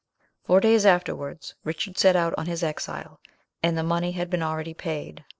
Four days afterwards Richard set out on his exile, and the money had been already paid.